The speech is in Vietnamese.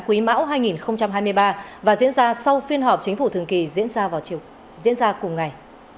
quý mão hai nghìn hai mươi ba và diễn ra sau phiên họp chính phủ thường kỳ diễn ra cùng ngày